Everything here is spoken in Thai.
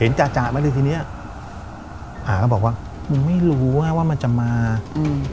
จ่ามาเลยทีเนี้ยผาก็บอกว่ามึงไม่รู้อ่ะว่ามันจะมาอืม